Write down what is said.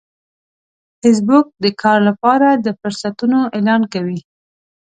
فېسبوک د کار لپاره د فرصتونو اعلان کوي